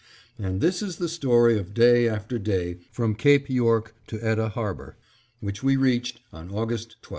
And this is the story of day after day from Cape York to Etah Harbor, which we reached on August 12.